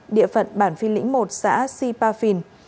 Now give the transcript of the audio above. địa phận bản phi lĩnh một xã sipafin